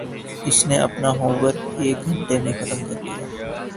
اس نے اپنا homework ایک گھنٹے میں ختم کر لیا